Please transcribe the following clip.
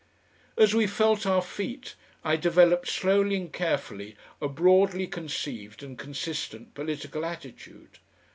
As we felt our feet, I developed slowly and carefully a broadly conceived and consistent political attitude.